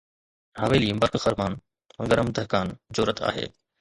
حويلي برق خرمان گرم دهقان جو رت آهي